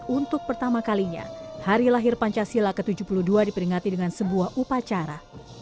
dua ribu enam belas untuk pertama kalinya hari lahir pancasila ke tujuh puluh dua diperingati dengan sebuah upacara